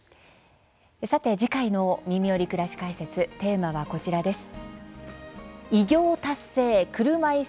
さて次回の「みみより！くらし解説」テーマはこちらです。